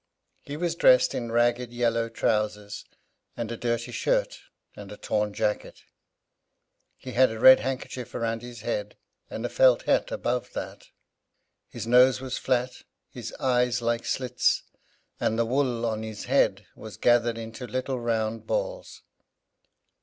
He was dressed in ragged yellow trousers, and a dirty shirt, and torn jacket. He had a red handkerchief round his head, and a felt hat above that. His nose was flat, his eyes like slits, and the wool on his head was gathered into little round balls.